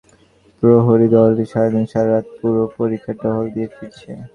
প্রহরী দলটি সারাদিন সারা রাত পুরো পরিখা টহল দিয়ে ফিরছে।